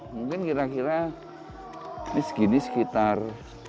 mungkin kira kira ini segini sekitar